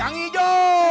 yang ijo